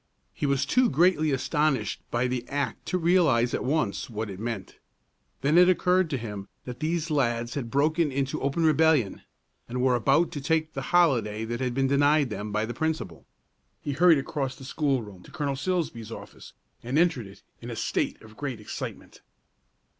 He was too greatly astonished by the act to realize at once what it meant. Then it occurred to him that these lads had broken into open rebellion, and were about to take the holiday that had been denied them by the principal. He hurried across the schoolroom to Colonel Silsbee's office, and entered it in a state of great excitement.